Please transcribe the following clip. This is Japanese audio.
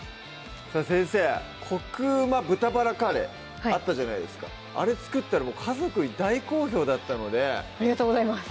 さぁ先生「コクうま豚バラカレー」あったじゃないですかあれ作ったら家族に大好評だったのでありがとうございます